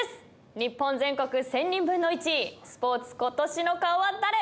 『日本全国１０００人分の１位スポーツ今年の顔はダレ！？』